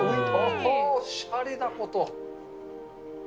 おしゃれなこと。